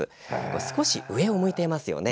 少し、上を向いていますよね。